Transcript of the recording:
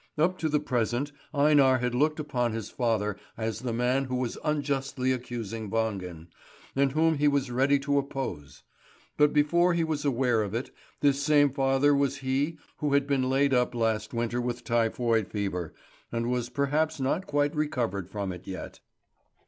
Up to the present Einar had looked upon his father as the man who was unjustly accusing Wangen, and whom he was ready to oppose; but before he was aware of it, this same father was he who had been laid up last winter with typhoid fever, and was perhaps not quite recovered from it yet.